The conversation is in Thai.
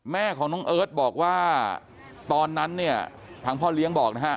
แม่ของน้องเอิร์ทบอกว่าตอนนั้นเนี่ยทางพ่อเลี้ยงบอกนะฮะ